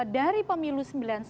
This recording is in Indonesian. dari pemilu sembilan puluh sembilan